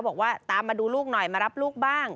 บอกว่าตามมาดูลูกหน่อยมารับลูกบ้าง